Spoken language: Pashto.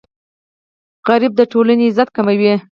سوالګري د ټولنې عزت کموي.